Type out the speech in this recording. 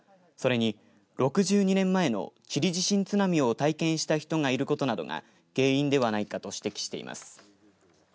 それに６２年前のチリ地震津波を体験した人がいることなどが原因ではないかと指摘しています。